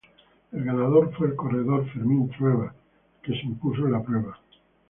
El ganador fue el corredor Fermín Trueba se impuso en la prueba.